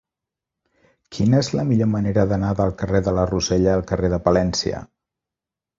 Quina és la millor manera d'anar del carrer de la Rosella al carrer de Palència?